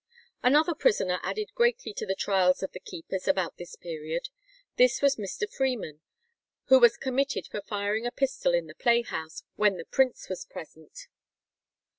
Another prisoner added greatly to the trials of the keepers about this period. This was Mr. Freeman, who was committed for firing a pistol in the playhouse when the prince was present.